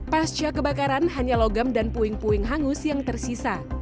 pasca kebakaran hanya logam dan puing puing hangus yang tersisa